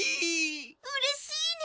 うれしいね！